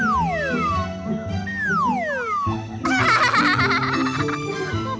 bim salah bim